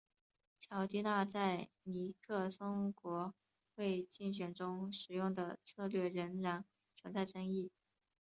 乔蒂纳在尼克松国会竞选中使用的策略仍然存在争议。